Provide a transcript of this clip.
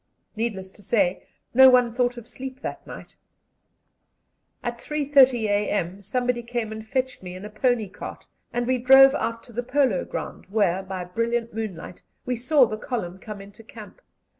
Needless to say, no one thought of sleep that night. At 3.30 a.m. someone came and fetched me in a pony cart, and we drove out to the polo ground, where, by brilliant moonlight, we saw the column come into camp.